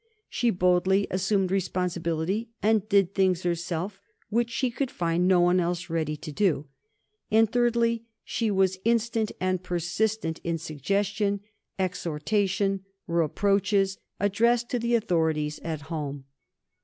She boldly assumed responsibility, and did things herself which she could find no one else ready to do. And, thirdly, she was instant and persistent in suggestion, exhortation, reproaches, addressed to the authorities at home.